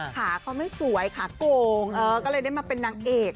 ขาเขาไม่สวยขาโก่งก็เลยได้มาเป็นนางเอก